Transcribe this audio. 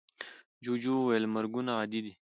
جوجو وویل مرگونه عادي دي.